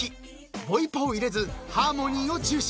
［ボイパを入れずハーモニーを重視］